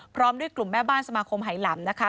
พร้อมด้วยกลุ่มแม่บ้านสมาคมหายหลำนะคะ